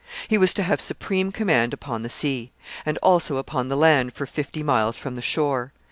He was to have supreme command upon the sea, and also upon the land for fifty miles from the shore.